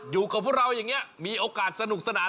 อยู่กับพวกเราอย่างนี้มีโอกาสสนุกสนาน